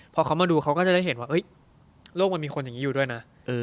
พอเขามาดูเขาก็จะได้เห็นว่าโลกมันมีคนอย่างนี้อยู่ด้วยนะ